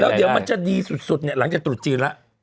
เดี๋ยวมันจะดีสุดเนี่ยหลังจากตรุษจีนแล้ว